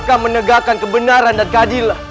mereka menegakkan kebenaran dan keadilan